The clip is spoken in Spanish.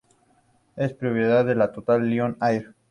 Es propiedad total de Lion Air.